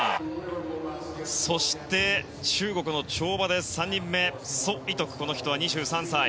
そして、中国の跳馬３人目のソ・イトク、２３歳。